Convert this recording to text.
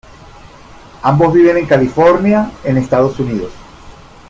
Ambos viven en California, en Estados Unidos.